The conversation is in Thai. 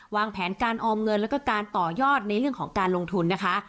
วางแผนการออมเงินแล้วก็การต่อยอดในเรื่องของการลงทุนนะคะ